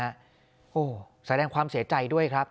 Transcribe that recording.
โอ้โหแสดงความเสียใจด้วยครับ